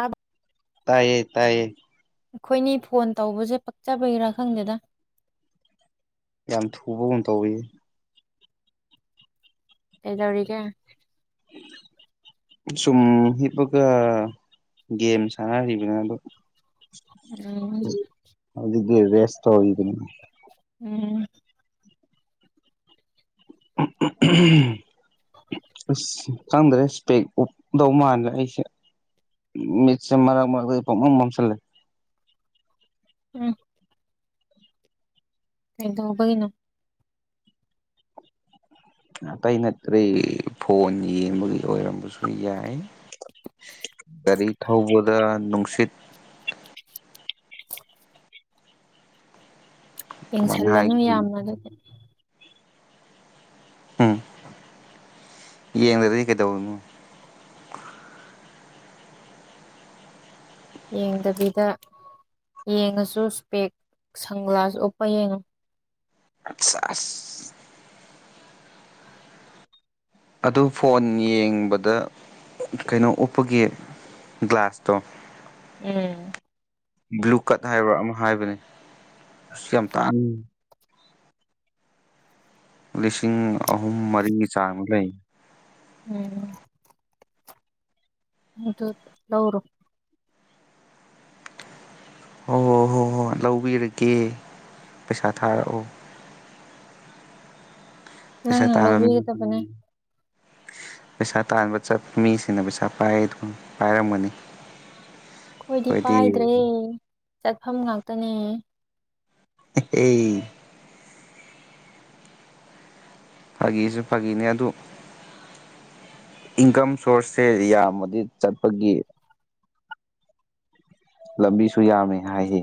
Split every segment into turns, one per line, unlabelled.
ꯑꯥ
ꯇꯥꯏꯌꯦ ꯇꯥꯏꯌꯦ
ꯑꯩꯈꯣꯏꯅꯤ ꯐꯣꯟ ꯇꯧꯕꯁꯦ ꯄꯛꯆꯕꯒꯤꯔꯥ ꯈꯪꯗꯦꯗ
ꯌꯥꯝ ꯊꯨꯕꯒꯨꯝ ꯇꯧꯋꯤ
ꯑꯦꯗꯧꯒ
[inaudible] ꯁꯨꯝ ꯍꯤꯞꯄꯒ ꯒꯦꯝ ꯁꯥꯟꯅꯔꯤꯕꯅꯤ ꯑꯗꯣ
ꯎꯝ
ꯍꯧꯒ ꯦꯁ ꯍꯗꯅꯤ
ꯎꯝ
ꯑ ꯈꯪꯗ꯭ꯔꯦ ꯏꯁꯄꯦꯛ ꯎꯞꯗꯧ ꯃꯥꯜꯂꯦ ꯑꯩꯁꯦ ꯃꯤꯆ ꯃꯔꯔꯒꯒ ꯎ ꯃꯝꯁꯜ ꯂꯩꯦ
ꯎꯝ ꯀꯩꯗ ꯍꯕꯒꯤꯅ
ꯑꯇꯩ ꯅꯠꯇꯦ ꯐꯣꯟ ꯌꯦꯡꯕꯒꯤ ꯑꯣꯏꯔꯝꯕꯁꯨ ꯌꯥꯏ ꯒꯥꯔꯤ ꯊꯧꯕꯗ ꯅꯨꯡꯁꯤꯠ ꯀꯃꯥꯏꯅ
ꯌꯦꯡꯁꯜꯂꯅꯨ
ꯍꯥꯏꯒꯦ
ꯌꯥꯝꯅꯒꯗꯤ
ꯎꯝ ꯌꯦꯡꯗ꯭ꯔꯗꯤ ꯀꯩꯗꯧꯅꯣ
ꯌꯦꯡꯗꯕꯤꯗ ꯌꯦꯡꯉꯁꯨ ꯏꯁꯄꯦꯛ ꯁꯟꯒ꯭ꯂꯥꯁ ꯎꯞꯄ ꯌꯦꯡꯉꯨ
ꯑꯁ ꯑꯗꯨ ꯐꯣꯟ ꯌꯦꯡꯕꯗ ꯀꯩꯅꯣ ꯎꯞꯄꯒꯤꯦ ꯒ꯭ꯂꯥꯁꯇꯣ
ꯎꯝ
ꯕ꯭ꯂꯨ ꯀꯠ ꯍꯥꯏꯕ꯭ꯔꯥ ꯑꯃ ꯍꯥꯏꯕꯅꯦ ꯑ ꯌꯥꯝ ꯇꯥꯟꯅ ꯂꯤꯁꯤꯡ ꯑꯍꯨꯝ ꯃꯔꯤꯒꯤ ꯆꯥꯡ ꯂꯩ
ꯎꯝ ꯑꯗꯨ ꯂꯧꯧꯔ
ꯍꯣꯏ ꯍꯣꯏ ꯍꯣꯏ ꯍꯣꯏ ꯂꯧꯕꯤꯔꯒꯦ ꯄꯩꯁꯥ ꯊꯥꯔꯛꯑꯣ ꯄꯁꯦ
ꯅꯪꯅ
ꯇꯥꯅ
ꯂꯧꯕꯤꯒꯗꯕꯅꯦ
ꯄꯩꯁꯥ ꯇꯥꯟꯕ ꯆꯠꯄ ꯃꯤꯁꯤꯅ ꯄꯩꯁꯥ ꯄꯥꯏ ꯄꯥꯏꯔꯒꯅꯤ
ꯑꯩꯣꯏꯗꯤ ꯄꯥꯏꯗ꯭ꯔꯦ ꯆꯠꯐꯝ ꯉꯥꯛꯇꯅꯦ
ꯑꯦ ꯐꯥꯒꯤꯁꯨ ꯐꯥꯒꯤꯅꯦ ꯑꯗꯨ ꯏꯟꯀꯝ ꯁꯣꯔꯁꯁꯦ ꯌꯥꯝꯃꯗꯤ ꯆꯠꯄꯒꯤ ꯂꯝꯕꯤꯁꯨ ꯌꯥꯝꯃꯤ ꯍꯥꯏꯈꯤ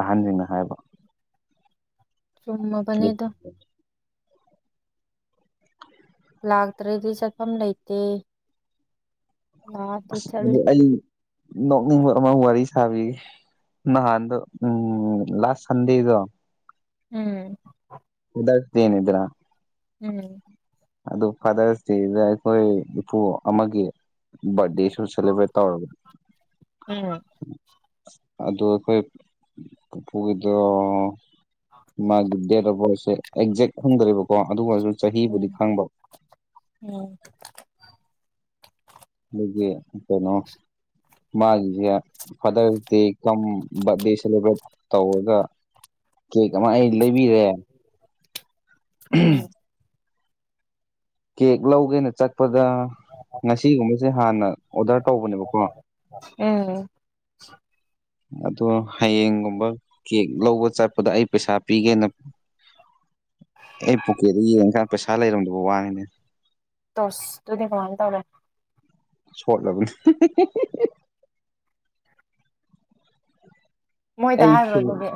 ꯑꯍꯟꯁꯤꯡꯅ ꯍꯥꯏꯕ
ꯆꯨꯝꯃꯕꯅꯦꯗ ꯂꯥꯛꯇ꯭ꯔꯗꯤ ꯆꯠꯐꯝ ꯂꯩꯇꯦ ꯂꯥꯛꯗꯤ ꯆꯠꯂ
ꯅ ꯋꯥꯔꯤꯁꯕꯤ ꯅꯗ ꯎꯝ ꯂꯥꯁ ꯁꯟꯗꯦ ꯏꯣ
ꯎꯝ
ꯍꯗꯇꯦꯅꯤꯗ꯭ꯔꯥ
ꯎꯝ
ꯑꯗꯨ ꯐꯥꯗꯔꯁꯤꯗ ꯑꯩꯈꯣꯏ ꯏꯄꯨ ꯑꯃꯒꯤ ꯕꯥꯔꯗꯦ ꯁ ꯁꯦꯂꯦꯕ꯭ꯔꯦꯠ ꯇꯧꯔꯕ
ꯎꯝ
ꯑꯗꯨ ꯑꯩꯈꯣꯏ ꯄꯨꯄꯨꯒꯤꯗꯣ ꯃꯥꯒꯤꯗ ꯑꯦꯛꯖꯦꯛ ꯐꯪꯗꯦꯕꯀꯣ ꯑꯗꯨ ꯑꯣꯏꯔꯁꯨ ꯆꯍꯤꯕꯨꯗꯤ
ꯎꯝ
ꯈꯪꯕ
ꯎꯝ
ꯍꯧꯒꯤꯦ ꯑꯇꯅꯣ ꯃꯥꯒꯤꯁꯦ ꯐꯥꯗꯔꯁ ꯗꯦ ꯀꯝ ꯕꯔꯗꯦ ꯁꯦꯂꯦꯕ꯭ꯔꯦꯠ ꯇꯧꯔꯒ ꯀ ꯀꯃꯥꯏ ꯂꯩꯕꯤꯔꯦ
ꯎꯝ
ꯀꯦꯛ ꯂꯧꯧꯒꯦꯅꯦ ꯆ ꯂꯄꯗ ꯉꯁꯤꯒꯨꯝꯕꯁꯦ ꯍꯥꯟꯅ ꯑꯣꯗꯔ ꯇꯧꯕꯅꯦꯕꯀꯣ
ꯎꯝ
ꯑꯗꯣ ꯍꯌꯦꯡꯒꯨꯝꯕ ꯀꯦꯛ ꯂꯧꯕ ꯆꯠꯄꯗ ꯑꯩ ꯄꯩꯁꯥ ꯄꯤꯒꯦꯅ ꯑꯩ ꯄꯣꯀꯦꯠꯇꯠꯇ ꯌꯦꯡꯉꯀꯥꯟꯗ ꯄꯩꯁꯥ ꯂꯩꯔꯝꯗꯕ ꯋꯥꯉꯦꯅꯦ
ꯇꯁ ꯇꯨꯗꯤ ꯀꯅ ꯇꯧꯔꯦ
ꯁꯣ ꯂꯒꯅꯤ
ꯃꯣꯏ ꯇ
ꯑꯩ
ꯍꯥꯏꯔ ꯑꯣꯏ ꯑꯗꯨꯦ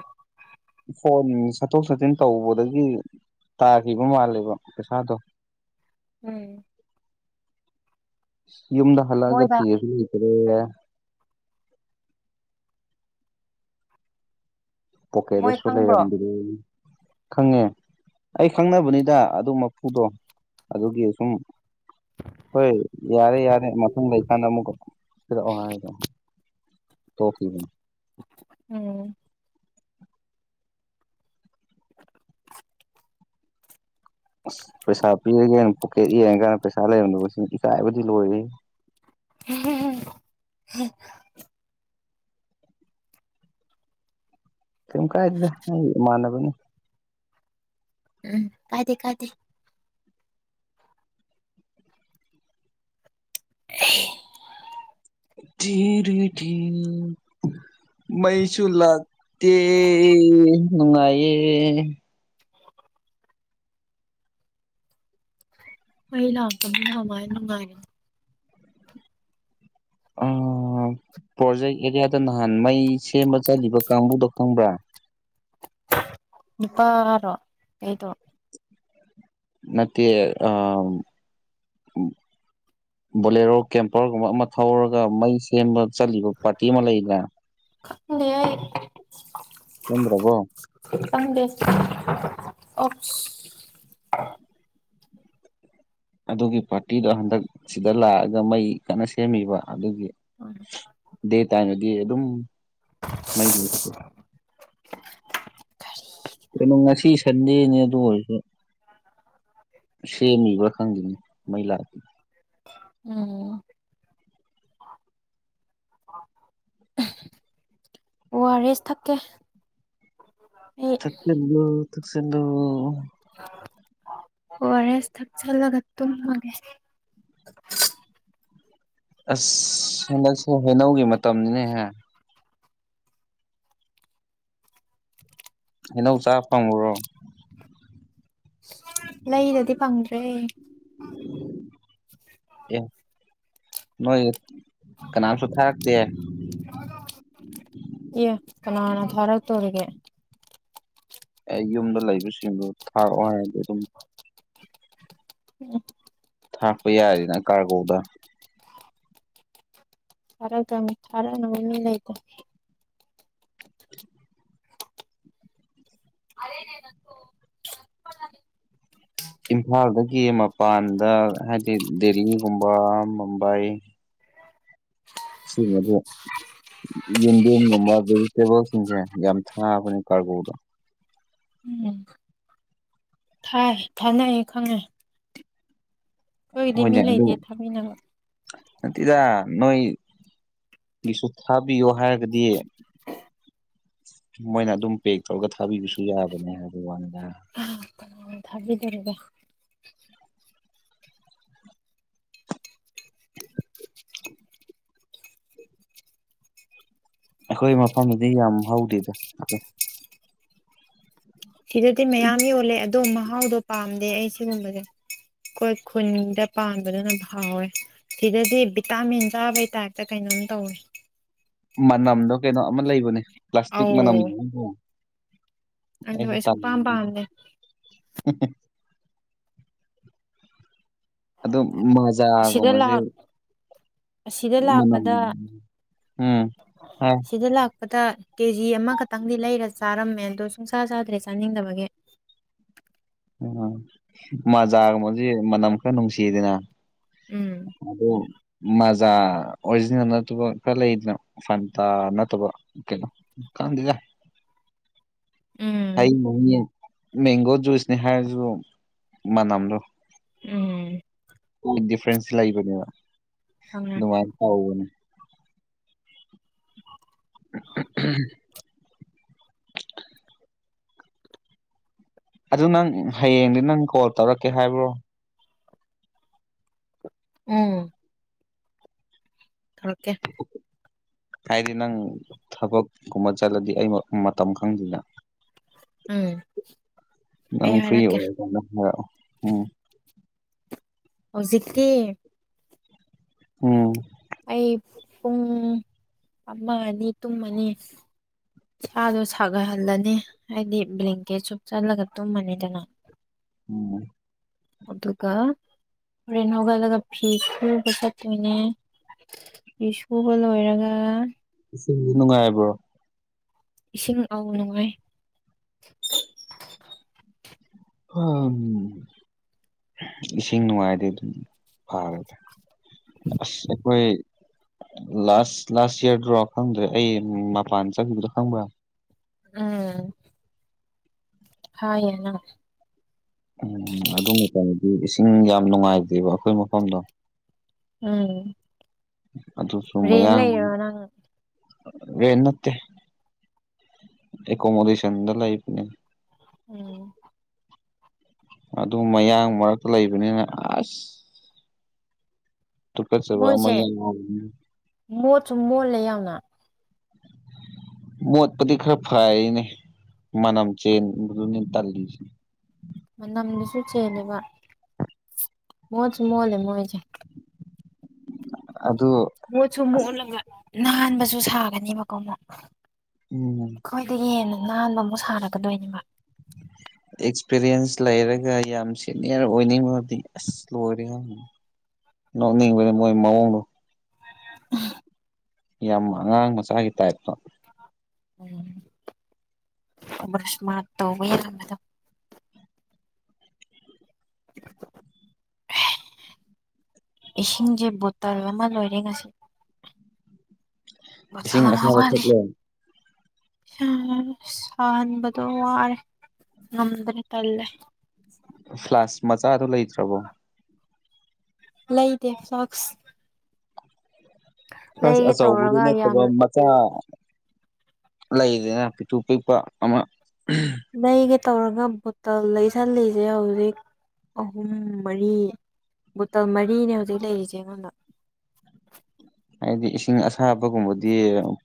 ꯐꯣꯟ ꯆꯠꯊꯣꯛ ꯆꯠꯁꯤꯟ ꯇꯧꯕꯗꯒꯤ ꯇꯥꯈꯤꯕ ꯃꯥꯜꯂꯦꯕ ꯄꯩꯁꯥꯗꯣ
ꯎꯝ
ꯌꯨꯝꯗ ꯍꯜꯂꯛꯑꯒ
ꯃꯣꯏꯗ
ꯊꯒꯁꯨ ꯂꯩꯇ꯭ꯔꯦ
ꯃꯣꯏ
ꯄꯣꯀꯦꯗꯁꯨ
ꯈꯪꯕ꯭ꯔꯣ
ꯂꯩꯔꯝꯕꯤꯔ ꯈꯪꯉꯦ ꯑꯩ ꯈꯪꯅꯕꯅꯤꯗ ꯑꯗꯨ ꯃꯄꯨꯗꯣ ꯑꯗꯨꯒꯤ ꯁꯁꯨꯝ ꯍꯣꯏ ꯌꯥꯔꯦ ꯌꯥꯔꯦ ꯃꯊꯪ ꯂꯩꯀꯥꯟꯗ ꯑꯃꯨꯛ ꯄꯤꯔꯛꯑꯣ ꯍꯥꯏꯗꯣ ꯇꯣ
ꯎꯝ
ꯑꯁ ꯄꯩꯁꯥ ꯄꯤꯔꯒꯦꯅ ꯄꯣꯀꯦꯠ ꯌꯦꯡꯉ ꯀꯥꯟꯗ ꯄꯩꯁꯥ ꯂꯩꯔꯝꯗ ꯁꯤꯅ ꯏꯀꯥꯏꯕꯗꯤ ꯂꯣꯏꯔꯤ [inaudible]
[inaudible]
ꯀ ꯀꯥꯏ ꯃꯥꯅꯕꯨꯅꯤ
ꯎꯝ ꯀꯥꯗꯦ ꯀꯗꯦ [inaudible]
ꯊꯔꯤ ꯊ ꯃꯩꯁꯨ ꯂꯥꯛꯇ ꯅꯨꯡꯉꯥꯏꯌꯦ
[inaudible] ꯑꯩ ꯂꯥꯛꯀ ꯊꯋꯥ ꯂꯅꯨꯡꯉꯥꯏꯅꯤ
ꯑꯣ ꯄ꯭ꯔꯣꯖꯦꯛ ꯑꯦꯔꯤꯌꯥꯗ ꯅꯍꯥꯟ ꯃꯩ ꯁꯦꯝꯕ ꯆꯠꯂꯤꯕ ꯀꯥꯡꯕꯨꯗꯣ ꯈꯪꯕ꯭ꯔꯥ
ꯅꯨꯄꯥꯔꯣ ꯑꯩꯗꯣ
ꯅ ꯑ ꯕꯣꯂꯦꯔꯣ ꯀꯦꯝꯄꯔꯒꯨꯝꯕ ꯑꯃ ꯊꯧꯔꯒ ꯃꯩ ꯁꯦꯝꯕ ꯆꯠꯂꯤꯕ ꯄꯥꯔꯇꯤ ꯑꯃ ꯂꯩꯔꯦ
ꯈꯪꯗꯦ
ꯁꯦꯝꯗ꯭ꯔꯕꯣ
ꯈꯪꯗꯦ ꯑꯣ
ꯑꯗꯨꯒꯤ ꯄꯥꯔꯇꯤꯗꯣ ꯍꯟꯗꯛ ꯁꯤꯗ ꯂꯥꯛꯑꯒ ꯃꯩ ꯀꯟꯅ ꯁꯦꯝꯃꯤꯕ ꯑꯗꯨꯒꯤ ꯗꯦ ꯇꯥꯏꯃꯗꯤ ꯑꯗꯨꯝ ꯃꯩ ꯂꯩ ꯀꯩꯅ ꯉꯁꯤ ꯁꯟꯗꯦ ꯅ ꯑꯗꯨ ꯑꯣꯏꯣꯏꯁꯨ ꯁꯦꯝꯃꯤꯕ꯭ꯔꯥ ꯈꯪꯗꯅꯤ ꯃꯩ ꯂꯥꯛꯇ
ꯎꯝ ꯑꯣꯑꯔ ꯑꯦꯁ ꯊꯛꯦ
ꯊꯛꯁꯤꯗꯨ ꯊꯛꯁꯤꯗꯨ
ꯋꯥꯔꯦꯁ ꯊꯥꯛ ꯆꯂꯒꯠ ꯇ ꯃꯥꯒꯦ
ꯑꯁ ꯍꯟꯗꯛꯁꯦ ꯍꯩꯅꯧꯒꯤ ꯃꯇꯝꯅꯤꯅꯦꯍ ꯑꯩꯅꯧ ꯆꯥ ꯐꯪꯉꯨꯔꯣ
ꯂꯩꯗꯗꯤ ꯐꯪꯗ꯭ꯔꯦ
ꯅ ꯀꯅꯥꯝꯁꯨ ꯊꯥꯔꯛꯇ
ꯑꯦ ꯀꯅꯥꯅ ꯊꯥꯔꯛꯇꯣꯔꯤꯒꯦ
ꯑꯦ ꯌꯨꯝꯗ ꯂꯩꯕꯁꯤꯡꯗꯨꯣ ꯊꯥꯔꯛꯑꯣ ꯍꯥꯏꯔꯗꯤ ꯑꯗꯨꯝ
ꯎꯝ
ꯊꯥꯛꯄ ꯌꯥꯔꯦꯅ ꯀꯥꯔꯒꯧꯗ
ꯑꯔꯒꯃꯤ ꯑꯔꯥꯡꯅꯥꯏ ꯑꯔꯦꯅꯦ ꯅ
ꯏꯝꯐꯥꯜꯗꯒꯤ ꯃꯄꯥꯟꯗ ꯍꯥꯏꯗꯤ ꯗꯦꯜꯂꯤ ꯀꯨꯝꯕꯥ ꯃꯨꯝꯕꯥꯏ ꯁꯤꯗ ꯌꯦꯟꯗꯤꯦꯝꯒꯨꯝꯕ ꯚꯦꯖꯤꯇꯦꯕꯜꯁꯤꯡꯁꯦ ꯌꯥꯝ ꯊꯥꯕꯅꯦ ꯀꯥꯔꯀꯗꯣ
ꯎꯝ ꯊꯥꯏ ꯊꯥꯅꯌꯦ ꯈꯪꯉꯦ ꯑꯩꯈꯣꯏꯒꯤꯗꯤ ꯃꯤ ꯂꯩꯇꯦ ꯊꯥꯃꯤꯟꯅꯕ
ꯇꯗ ꯅꯣꯏ ꯒꯤꯁꯨ ꯊꯥꯕꯤ ꯌꯣ ꯍꯥꯏꯔꯗꯤꯦ ꯃꯣꯏꯅ ꯑꯗꯨꯝ ꯄꯦꯛ ꯇꯧꯔꯒ ꯊꯥꯕꯤꯕꯁꯨ ꯌꯥꯕꯅꯦ ꯍꯥꯏꯕ ꯋꯥꯅꯤꯗ
ꯊꯕꯤꯗꯔꯒ
[inaudible] ꯑꯩꯈꯣꯏ ꯃꯐꯝꯗꯨꯗꯤ ꯌꯥꯝ ꯍꯧꯗꯦꯗ
ꯁꯤꯗꯗꯤ ꯃꯌꯥꯝ ꯌꯣꯜꯂꯦ ꯑꯗꯣ ꯃꯍꯥꯎꯗꯣ ꯄꯥꯝꯗꯦ ꯑꯩ ꯁꯤꯒꯨꯝꯕꯁꯦ ꯑꯩꯈꯣꯏ ꯈꯨꯟꯗ ꯄꯥꯟꯕꯗꯨꯅ ꯍꯥꯎꯋꯦ ꯁꯤꯗꯗꯤ ꯚꯤꯇꯥꯃꯤꯟ ꯆꯥꯕꯩ ꯇꯥꯏꯞꯇ ꯀꯩꯅꯣꯝ ꯇꯧꯏ
ꯃꯅꯝꯗꯣ ꯀꯩꯅꯣ ꯑꯃ ꯂꯩꯕꯅꯦ ꯄ꯭ꯂꯥꯁꯇꯤꯛ ꯃꯅꯝꯗꯣ
ꯑꯗꯨꯗ
ꯑꯩꯁꯨ
ꯑꯩ ꯁꯨꯝ ꯄꯥꯝ
ꯇꯜꯂꯤ
ꯄꯥꯝꯅꯦ
ꯑꯣ
ꯁꯤꯗ
ꯃꯖꯥꯒꯨꯝꯕꯁꯦ
ꯂꯥꯛ ꯑꯁꯤꯗ
ꯃꯅꯝ
ꯂꯥꯛꯄꯗ
ꯎꯝ ꯍꯥꯏ
ꯁꯤꯗ ꯂꯄ ꯀꯦꯖꯤ ꯑꯃꯈꯛꯇꯪꯗꯤ ꯂꯩꯔ ꯆꯥꯔꯝꯃꯦ ꯑꯗꯣ ꯁꯨꯡꯁꯥ ꯆꯥꯗ꯭ꯔꯦ ꯆꯥꯅꯤꯡꯗꯕꯒꯤ
ꯎꯝ ꯎ ꯃꯖꯥꯒꯁꯤ ꯃꯅꯝ ꯈꯔ ꯅꯨꯡꯁꯤꯗꯅ
ꯎꯝ
ꯑꯗꯨꯗ ꯃꯖꯥ ꯑꯣꯔꯤꯖꯤꯅꯦꯜ ꯅꯠꯇꯕ ꯈꯔ ꯂꯩꯗꯅꯣ ꯐꯟꯇꯥ ꯅꯠꯇꯕ ꯀꯩꯅꯣ ꯀꯥꯟꯗꯗ ꯍꯥꯏ
ꯎꯝ
ꯃꯦꯡꯒꯣꯁꯨꯨꯁꯅꯦꯍꯥꯁꯨ ꯃꯅꯥꯝꯗꯣ
ꯎꯝ
ꯗꯤꯐ꯭ꯔꯦꯟꯁ ꯂꯩꯕꯅꯦꯕ
ꯈꯪꯉꯦ
ꯑꯗꯨꯃꯥꯏꯅ ꯇꯧꯕꯅꯦ ꯎꯝ ꯑꯗꯨ ꯅꯪ ꯍꯌꯦꯡꯗꯤ ꯅꯪ ꯀꯣꯜ ꯇꯧꯔꯛꯀꯦ ꯍꯥꯏꯕ꯭ꯔꯣ
ꯎꯝ ꯊꯧꯔꯀꯦ
ꯍꯥꯏꯗꯤ ꯅꯪ ꯊꯕꯛꯀꯨꯝꯕ ꯆꯠꯂꯗꯤ ꯑꯩ ꯃꯇꯝ ꯈꯪꯗ꯭ꯅ
ꯎꯝ ꯑꯩ
ꯅꯪ ꯐ꯭ꯔꯤ
ꯍꯥꯏꯔꯛꯀꯦ
ꯑꯣꯏꯔ ꯀꯅ ꯍꯥꯏꯔꯑꯣ ꯎꯝ
ꯍꯧꯖꯤꯛ ꯊ
ꯎꯝ
ꯑꯩ ꯄꯨꯡ ꯑꯃ ꯑꯅꯤ ꯇꯨꯝꯃꯅꯤ ꯁꯥꯗꯣ ꯁꯥꯒꯍꯜꯂꯅꯤ ꯍꯥꯏꯗꯤ ꯕ꯭ꯂꯦꯡꯀꯦꯠꯁꯨ ꯆꯜꯂꯒ ꯇꯨꯝꯃꯅꯤꯗꯅ
ꯎꯝ
ꯑꯗꯨꯒ ꯍꯣꯔꯦꯟ ꯍꯧꯒꯠꯂꯒ ꯐꯤ ꯈꯨꯕ ꯆꯠꯇꯣꯏꯅꯦ ꯏꯁꯕ ꯂꯣꯏꯔꯒ
ꯁꯨ ꯅꯨꯡꯉꯥꯏꯕ꯭ꯔꯣ
ꯏꯁꯤꯡ ꯑꯥꯎ ꯅꯨꯡꯉꯥꯏ
ꯝ ꯏꯁꯤꯡ ꯅꯨꯡꯉꯥꯏꯗꯤ ꯑꯗꯨꯝ ꯐꯥꯔꯗ ꯑꯁ ꯑꯩꯈꯣꯏ ꯂꯥꯁ ꯂꯥꯁ ꯌꯌꯥꯔꯗ꯭ꯔꯣ ꯈꯪꯗ꯭ꯔꯦ ꯑꯩ ꯃꯄꯥꯟ ꯆꯠꯈꯤꯗ꯭ꯔꯥ ꯈꯪꯕ꯭ꯔꯥ
ꯎꯝ ꯍ ꯌꯥꯅ
ꯎꯝ ꯑꯗꯨ ꯀꯗꯤ ꯏꯁꯤꯡ ꯌꯥꯝ ꯅꯨꯡꯉꯥꯏꯇꯦꯕ ꯑꯩꯈꯣꯏ ꯃꯐꯝꯗ
ꯎꯝ
ꯑꯗꯨꯁꯨ
ꯔꯦꯟ
ꯃꯌꯥꯡ
ꯂꯩꯔꯣ ꯅꯪ
ꯔꯅꯠꯇ ꯑꯦꯀꯣꯃꯣꯗꯦꯁꯟꯗ ꯂ ꯑꯩꯕꯅꯦ
ꯎꯝ
ꯑꯗꯨ ꯃꯌꯥꯡ ꯃꯔꯛꯇ ꯂꯩꯕꯅꯤꯅ ꯑꯁ ꯇ ꯀꯩꯁꯕ ꯃ
ꯃꯣꯏꯁꯦ ꯃꯣꯠꯁꯨ ꯃꯣꯠꯂꯦ ꯌꯥꯝꯎꯅ
ꯃꯣꯠꯄꯗꯤ ꯈꯔ ꯐꯅꯦ ꯃꯅꯝ ꯆꯦꯇꯜꯁꯤ
ꯃ ꯑꯝꯅ ꯁꯨꯁꯅꯦ ꯃ ꯃꯣꯜ ꯃꯣꯏꯖ
ꯑꯗꯨ
ꯃꯣꯠꯁꯨ ꯃꯣꯠꯂꯒ ꯅꯥꯍꯟꯕꯁꯨ ꯁꯥꯒꯅꯦꯕꯀꯣ ꯑꯃꯨꯛ
ꯎꯝ
ꯑꯩꯈꯣꯏꯗꯒꯤ ꯍꯦꯟꯅ ꯅꯥꯟꯕ ꯑꯃꯨꯛ ꯁꯥꯔꯒꯗꯣꯏꯅꯦꯕ
[unintelligible] ꯑꯦꯛꯁꯄꯤꯔꯤꯌꯦꯟꯁ ꯂꯩꯔꯒ ꯌꯥꯝ ꯁꯤꯦꯅꯤꯌꯔ ꯑꯣꯏꯅꯤꯡꯕꯗꯤ ꯑꯁ ꯂꯣꯏꯔꯦꯪ ꯅꯣꯛꯅꯤꯡꯕꯗꯤ ꯃꯣꯏ ꯃꯑꯣꯡꯗꯣ
ꯎ
ꯌꯥꯝ ꯑꯉꯥꯡ ꯃꯆꯥꯒꯤ ꯇꯥꯏꯞꯇꯣ
ꯎꯝ ꯁꯃ ꯇꯣ ꯑꯣꯏꯔꯃꯤꯗ [unintelligible] ꯏꯁꯤꯡꯁꯦ ꯕꯣꯇꯜ ꯑꯃ ꯂꯣꯏꯔꯦ ꯉꯁꯤ
ꯏꯁꯤꯡ ꯑꯁꯥꯕ
ꯔꯁꯗꯅꯅꯤ
ꯊꯛꯂꯦ
ꯁꯅꯕꯗꯣ ꯋꯥꯔꯦ ꯉꯗ꯭ꯔꯦ ꯇꯂꯦ
ꯐ꯭ꯂꯥꯁ ꯃꯆꯥꯗꯨꯣ ꯂꯩꯇ꯭ꯔꯕꯣ
ꯂꯩ ꯂꯩꯗꯦ ꯁꯁ
ꯀꯁ ꯑꯧꯒꯨ
ꯇꯧꯔꯒ
ꯅꯠꯇ
ꯌꯥꯝ
ꯃꯆꯥ ꯂꯩꯗꯅ ꯇ ꯄꯄ ꯑꯃ
ꯅꯒ ꯇꯧꯔꯒ ꯕꯣꯇꯜ ꯂꯩꯁꯜꯂꯤꯁꯦ ꯍꯧꯖꯤꯛ ꯑꯍꯨꯝ ꯃꯔꯤ ꯕꯨꯇꯜ ꯃꯔꯤꯅꯦ ꯍꯧꯖꯤꯛ ꯂꯩꯔꯤꯁꯦ ꯑꯩꯉꯣꯟꯗ
[inaudible] ꯍꯥꯏꯗꯤ ꯏꯁꯤꯡ ꯑꯁꯥꯕꯒꯨꯝꯕꯗꯤ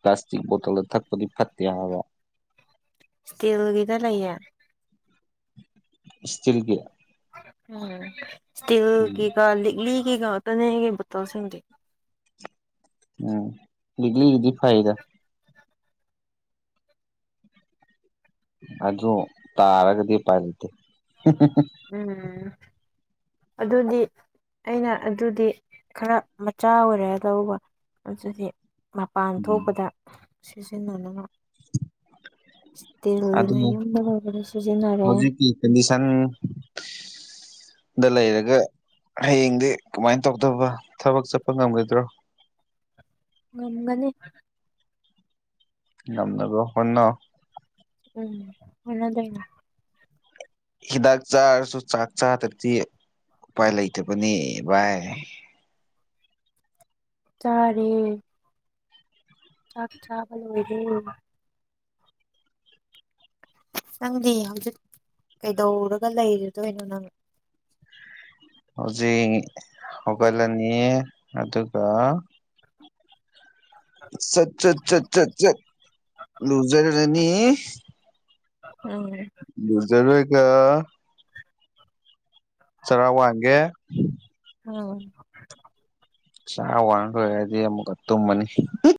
ꯄ꯭ꯂꯥꯁꯇꯤꯛ ꯕꯣꯇꯜꯗ ꯊꯛꯄꯗꯤ ꯐꯠꯇꯦ ꯍꯥꯏꯕ
ꯏꯁꯇꯤꯜꯒꯗ ꯂꯩ
ꯏꯁꯇꯤꯜꯒꯤ
ꯁꯇꯤꯜ
ꯎꯝ
ꯀ ꯀ ꯂꯤ ꯀ ꯀ ꯇꯅꯤ ꯀ ꯄꯨꯠꯇꯁꯤꯡꯗꯤ
ꯎꯝ ꯏꯒꯂꯤ ꯖꯤ ꯐ ꯍꯥꯏꯗ ꯑꯗꯨ ꯇꯥꯔꯒꯗꯤ ꯄꯥꯏ ꯂꯩꯇꯦ
ꯎꯝ ꯑꯗꯨꯗꯤ ꯑꯩꯅ ꯑꯗꯨꯗꯤ ꯈꯔ ꯃꯆꯥ ꯑꯣꯏꯔꯦ ꯇꯧꯕ ꯑꯗꯨꯗꯤ ꯃꯄꯥꯟ
ꯎꯝ
ꯊꯣꯛꯄꯗ ꯁꯤꯖꯤꯟꯅꯅ
[inaudible] ꯑꯗꯨ
ꯌꯨꯝꯗ ꯂꯩꯕꯗ ꯁꯤꯖꯤꯟꯅꯔꯦ
ꯍꯧꯖꯤꯛꯀꯤ ꯀꯟꯗꯤꯁꯟ ꯗ ꯂꯩꯔꯒ ꯍꯌꯦꯡꯗꯤ ꯀꯃꯥꯏꯅ ꯇꯧꯗꯕ ꯊꯕꯛ ꯆꯠꯄ ꯉꯝꯒꯗ꯭ꯔꯣ
ꯉꯪꯒꯅꯤ
ꯉꯝꯅꯕ ꯍꯅ
ꯎꯝ ꯍꯂꯗꯅ
ꯍꯤꯗꯥꯛ ꯆꯥꯔꯁꯨ ꯆꯥꯛ ꯆꯥ ꯇꯔꯊꯤ ꯎꯄꯥꯏ ꯂꯩꯇꯕꯅꯤ ꯚꯥꯏ
ꯆꯔꯦ ꯆꯥꯛ ꯆꯕꯜ ꯑꯣꯏꯔ ꯅꯪꯗꯤ ꯍꯧꯖꯤꯛ ꯀꯩꯗꯧꯔꯒ ꯂꯩꯔꯗꯣꯏꯅꯣ ꯅꯪ
ꯍꯧꯖꯤꯛ ꯍꯧꯒꯠꯂꯅꯤ ꯑꯗꯨꯒ ꯁꯠ ꯁꯠ ꯁꯠ ꯆꯠ ꯆꯠ ꯂꯨꯖꯔꯔꯅꯤ
ꯎꯝ
ꯖꯔ ꯀ ꯆꯔꯥ ꯋꯥꯒꯦ
ꯑꯣ
ꯆ ꯋꯥꯡꯈ꯭ꯔꯣꯏ ꯍꯥꯏꯗꯤ ꯑꯃꯨꯛꯀ ꯇꯨꯝꯕꯅꯤ